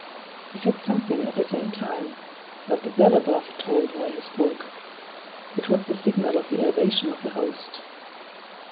He said something at the same time; but the bell above tolled while he spoke. It was the signal of the elevation of the Host.